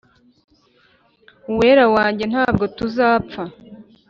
uwera wanjye’ ntabwo tuzapfa